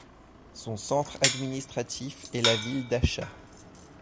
Son centre administratif est la ville d'Acha.